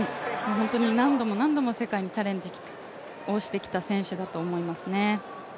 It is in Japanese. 何度も何度も世界にチャレンジをしてきた選手だと思いますね。